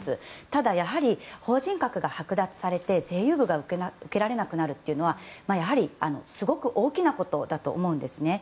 ただ、法人格が剥奪されて税優遇が受けられなくなるのはやはり、すごく大きなことだと思うんですね。